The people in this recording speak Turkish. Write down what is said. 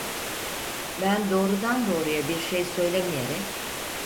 Ben doğrudan doğruya bir şey söylemeyerek: